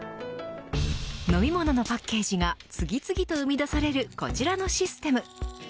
飲み物のパッケージが次々と生み出されるこちらのシステム。